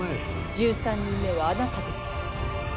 １３人目はあなたです。